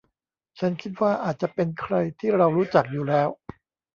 ฉันคิดว่าอาจจะเป็นใครที่เรารู้จักอยู่แล้ว